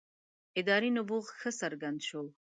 ادارې نبوغ ښه څرګند شو.